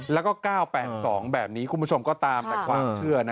แล้วก็๙๘๒แบบนี้คุณผู้ชมก็ตามแต่ความเชื่อนะ